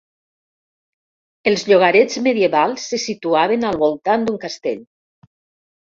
Els llogarets medievals se situaven al voltant d'un castell.